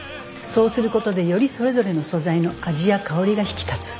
そうすることでよりそれぞれの素材の味や香りが引き立つ。